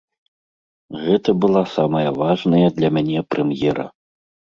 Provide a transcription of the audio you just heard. Гэта была самая важная для мяне прэм'ера.